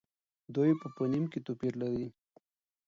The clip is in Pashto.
دوی په فونېم کې توپیر لري.